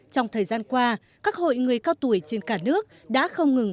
trong thời gian qua các hội người cao tuổi trên cả nước đã không ngừng